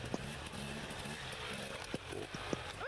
আমিই তো করতেছি কাজ, তোমাকে করতে বলছে কে?